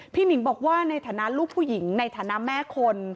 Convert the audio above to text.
หนิงบอกว่าในฐานะลูกผู้หญิงในฐานะแม่คน